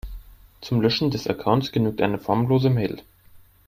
Zum Löschen des Accounts genügt eine formlose Mail.